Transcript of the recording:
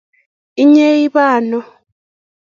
Inye ibo ngo?